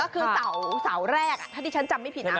ก็คือเสาร์แรกถ้าที่ฉันจำไม่ผิดนะ